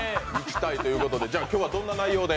今日はどんな内容で？